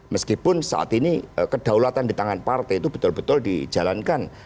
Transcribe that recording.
meskipun saat ini kedaulatan di tangan partai itu betul betul dijalankan